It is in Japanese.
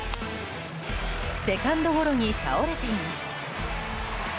セカンドゴロに倒れています。